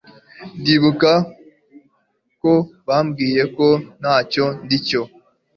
ndibuka ko bambwiye ko ntacyo ndi cyo